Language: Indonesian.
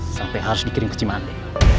sampai harus dikirim ke cimahande